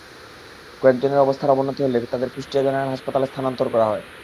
কয়েকজনের অবস্থার অবনতি হলে তাঁদের কুষ্টিয়া জেনারেল হাসপাতালে স্থানান্তর করা হয়।